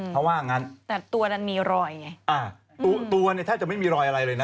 แต่ตัวนั้นมีรอยไงตัวเนี่ยแทบจะไม่มีรอยอะไรเลยนะ